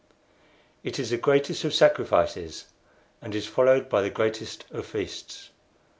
It is the greatest of sacrifices, and is followed by the greatest of feasts.